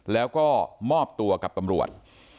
แล้วก็มอบตัวกับตำรวจ